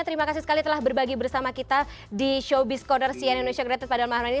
terima kasih sekali telah berbagi bersama kita di showbiz corner cnn indonesia kreatif pada malam hari ini